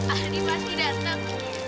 aldi pasti dateng